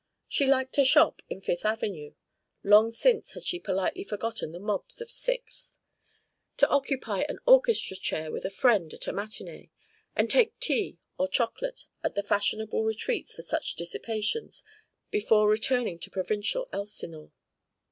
She liked to shop in Fifth Avenue long since had she politely forgotten the mobs of Sixth, to occupy an orchestra chair with a friend at a matinée, and take tea or chocolate at the fashionable retreats for such dissipations before returning to provincial Elsinore.